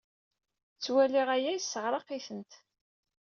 Ttwaliɣ aya yesseɛraq-itent.